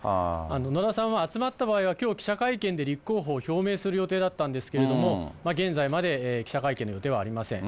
野田さんは集まった場合は、きょう記者会見で立候補を表明する予定だったんですけれども、現在まで、記者会見の予定はありません。